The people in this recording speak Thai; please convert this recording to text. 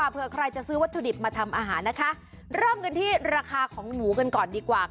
เพื่อใครจะซื้อวัตถุดิบมาทำอาหารนะคะเริ่มกันที่ราคาของหมูกันก่อนดีกว่า